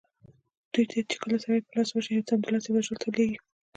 دوی ته چې کله سړي په لاس ورسي سمدلاسه یې وژلو ته لېږي.